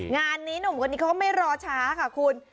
งานนี้หนุ่มคนนี้เขาไม่รอช้าค่ะคุณ